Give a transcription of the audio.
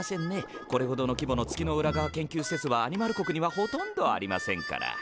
これほどの規模の月の裏側研究施設はアニマル国にはほとんどありませんから。